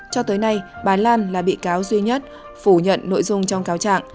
cho tới nay bà lan là bị cáo duy nhất phủ nhận nội dung trong cáo trạng